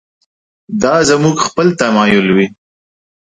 دا زموږ خپل تمایل وي.